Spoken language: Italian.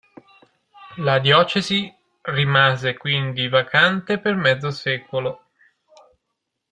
La diocesi rimase quindi vacante per mezzo secolo.